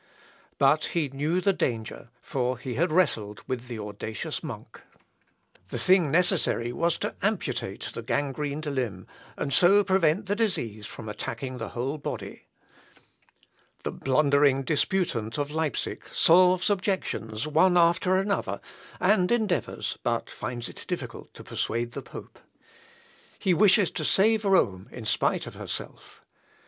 But he knew the danger; for he had wrestled with the audacious monk. The thing necessary was to amputate the gangrened limb, and so prevent the disease from attacking the whole body. The blustering disputant of Leipsic solves objections one after another, and endeavours, but finds it difficult to persuade the pope. He wishes to save Rome in spite of herself.